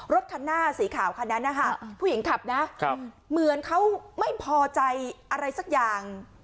รถคันหน้าสีขาวคันนั้นนะคะผู้หญิงขับนะเหมือนเขาไม่พอใจอะไรสักอย่าง